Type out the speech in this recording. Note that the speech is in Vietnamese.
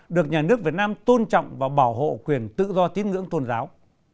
được nhà nước việt nam tôn trọng và bảo hộ quyền tự do tín ngưỡng tôn giáo